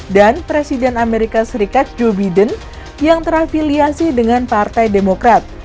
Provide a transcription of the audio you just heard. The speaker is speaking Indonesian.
dan presiden amerika serikat joe biden yang terafiliasi dengan partai demokrat